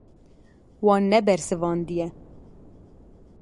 Wan nebersivandiye.